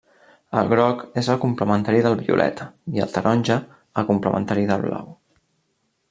El groc és el complementari del violeta i el taronja, el complementari del blau.